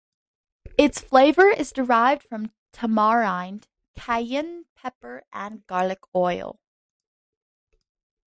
Its flavour is derived from tamarind, cayenne pepper and garlic oil.